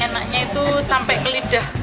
enaknya itu sampai ke lidah